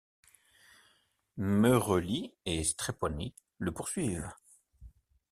Merelli et Strepponi le poursuivent.